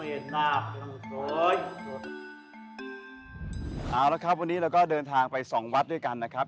เอาละครับวันนี้เราก็เดินทางไปสองวัดด้วยกันนะครับ